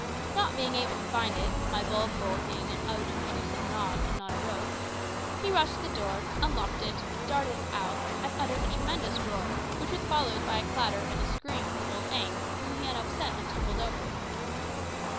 Not being able to find it, my bell pull being an unobtrusive knob and not a rope, he rushed to the door, unlocked it, darted out, and uttered a tremendous roar, which was followed by a clatter and a scream from old Agnes, whom he had upset and tumbled over.